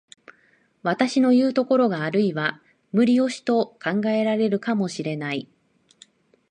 私のいう所があるいは無理押しと考えられるかも知れない。